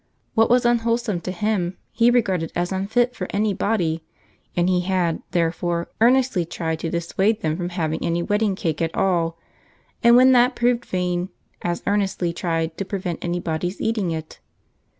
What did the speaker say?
What was unwholesome to him he regarded as unfit for any body; and he had, therefore, earnestly tried to dissuade them from having any wedding cake at all, and when that proved vain, as earnestly tried to prevent any body's eating it.